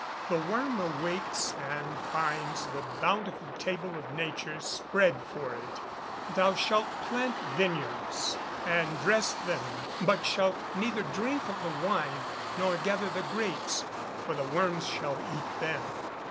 The worm awakes and finds the bountiful table of nature spread for it. [Verse: "Thou shalt plant vineyards, and dress them, but shalt neither drink of the wine, nor gather the grapes: for the worms shall eat them."